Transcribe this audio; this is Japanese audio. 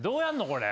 これ。